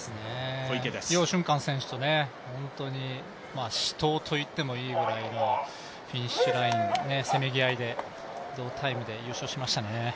楊俊瀚選手と死闘といってもいいぐらいのフィニッシュラインのせめぎ合いで同タイムで優勝しましたね。